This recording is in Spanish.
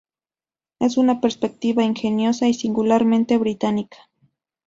Es una perspectiva ingeniosa y singularmente británica